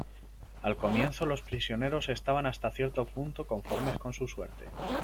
Al comienzo los prisioneros estaban hasta cierto punto conformes con su suerte.